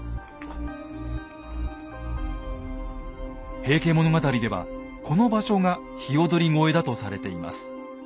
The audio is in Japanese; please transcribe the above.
「平家物語」ではこの場所が鵯越だとされています。